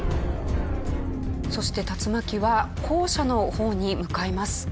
そして竜巻は校舎の方に向かいます。